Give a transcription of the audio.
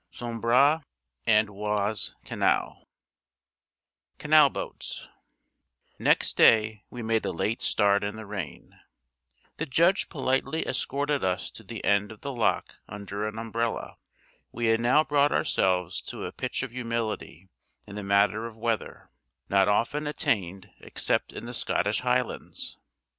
SAMBRE AND OISE CANAL: CANAL BOATS NEXT day we made a late start in the rain. The Judge politely escorted us to the end of the lock under an umbrella. We had now brought ourselves to a pitch of humility in the matter of weather, not often attained except in the Scottish Highlands.